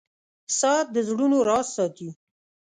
• ساعت د زړونو راز ساتي.